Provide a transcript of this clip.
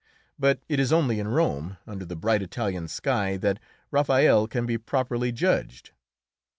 But it is only in Rome, under the bright Italian sky, that Raphael can be properly judged.